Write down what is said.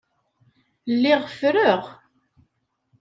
Lliɣ ffreɣ.